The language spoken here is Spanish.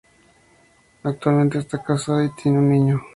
Actualmente está casada y tiene un niño.